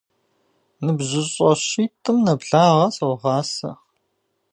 НыбжьыщӀэ щитӏым нэблагъэ согъасэ.